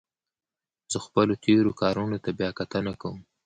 زه خپلو تېرو کارونو ته بیا کتنه کوم.